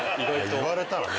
言われたらね。